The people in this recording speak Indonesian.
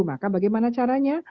maka bagaimana caranya